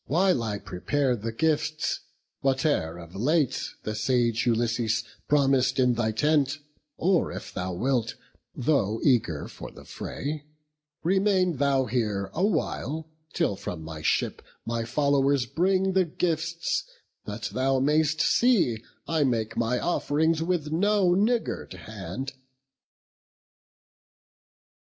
While I prepare the gifts, whate'er of late The sage Ulysses promis'd in thy tent: Or, if thou wilt, though eager for the fray, Remain thou here awhile, till from my ship My followers bring the gifts; that thou mayst see I make my offerings with no niggard hand."